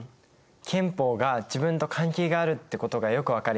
憲法が自分と関係があるってことがよく分かりました。